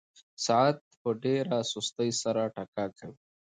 ساعت په ډېره سستۍ سره ټکا کوي.